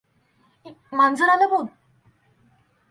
मांजर आलं बघ.